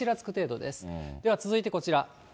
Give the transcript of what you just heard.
では続いてこちら。